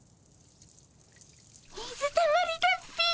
水たまりだっピィ。